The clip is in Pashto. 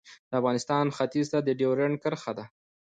د افغانستان ختیځ ته ډیورنډ کرښه ده